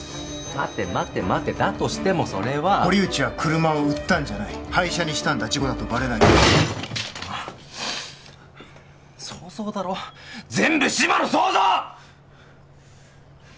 待て待て待てだとしてもそれは堀内は車を売ったんじゃない廃車にしたんだ事故だとバレないように想像だろ全部志摩の想像！